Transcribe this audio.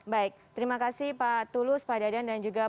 baik terima kasih pak tulus pak dadan dan juga